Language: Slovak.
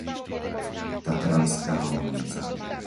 Tatranská Lomnica